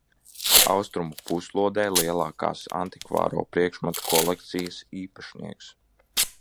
Austrumu puslodē lielākās antikvāro priekšmetu kolekcijas īpašnieks.